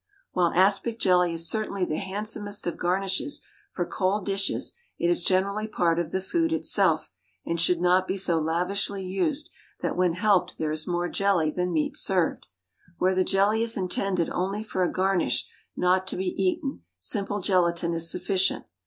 While aspic jelly is certainly the handsomest of garnishes for cold dishes, it is generally part of the food itself, and should not be so lavishly used that when helped there is more jelly than meat served. Where the jelly is intended only for a garnish not to be eaten, simple gelatine is sufficient.